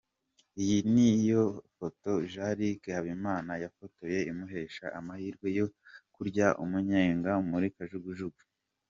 Iyi niyo foto Jean Luc Habimana yafotoye imuhesha amahirwe yo kurya umunyenga muri kajugujugu.